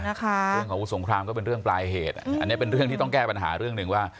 เรื่องของอาวุธสงครามก็เป็นเรื่องปลายเหตุอันนี้เป็นเรื่องที่ต้องแก้ปัญหาเรื่องหนึ่งว่า